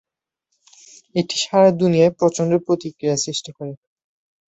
এটি সারা দুনিয়ায় প্রচণ্ড প্রতিক্রিয়ার সৃষ্টি করে।